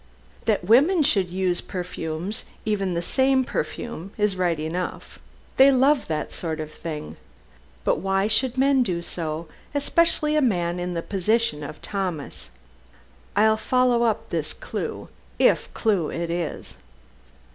That women should use perfumes, even the same perfume, is right enough. They love that sort of thing, but why should men do so, especially a man in the position of Thomas? I'll follow up this clue, if clue it is!"